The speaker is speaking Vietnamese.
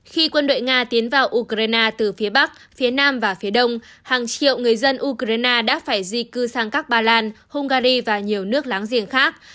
khi quân đội nga tiến vào ukraine từ phía bắc phía nam và phía đông hàng triệu người dân ukraine đã phải di cư sang các bà lan hungary và nhiều nước láng giềng khác